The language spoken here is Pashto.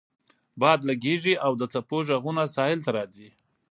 باد لګیږي او د څپو غږونه ساحل ته راځي